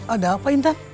ada apa intan